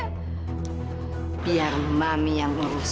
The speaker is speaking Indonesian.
hai biar mami yang urus